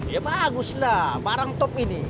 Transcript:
ya bagus lah barang top ini